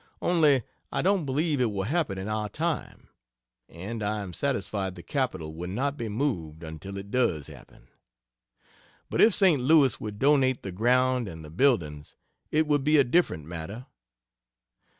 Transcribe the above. Only I don't believe it will happen in our time; and I am satisfied the capital will not be moved until it does happen. But if St. Louis would donate the ground and the buildings, it would be a different matter.